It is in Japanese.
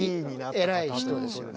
えらい人ですよね。